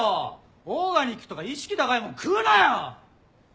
オーガニックとか意識高いもん食うなよ！